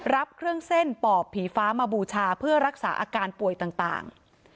รับเครื่องเส้นปอบผีฟ้ามาบูชาเพื่อรักษาอาการป่วยต่าง